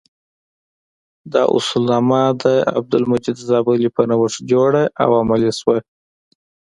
دا اصولنامه د عبدالمجید زابلي په نوښت جوړه او عملي شوه.